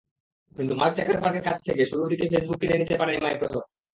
কিন্তু মার্ক জাকারবার্গের কাছ থেকে শুরুর দিকে ফেসবুক কিনে নিতে পারেনি মাইক্রোসফট।